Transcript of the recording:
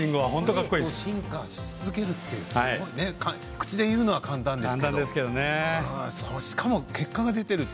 進化し続けるって口で言うのは簡単ですけどしかも結果が出ている。